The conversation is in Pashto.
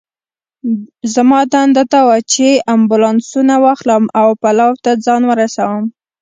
زما دنده دا وه چې امبولانسونه واخلم او پلاوا ته ځان ورسوم.